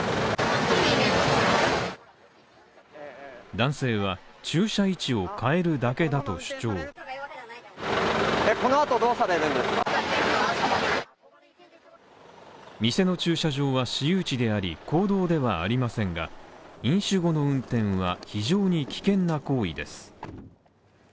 男性は駐車位置を変えるだけだと主張店の駐車場は私有地であり、公道ではありませんが、飲酒後の運転は非常に危険な行為です。